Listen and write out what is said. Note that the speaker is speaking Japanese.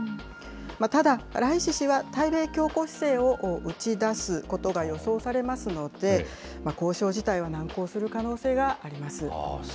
ただ、ライシ氏は対米強硬姿勢を打ち出すことが予想されますので、交渉自体は難航する可能性があります。